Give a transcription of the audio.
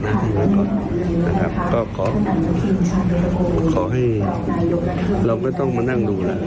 ที่มาก่อนนะครับก็ขอขอให้เราก็ต้องมานั่งดูแล้ว